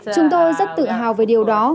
chúng tôi rất tự hào về điều đó